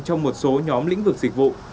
trong một số nhóm lĩnh vực dịch vụ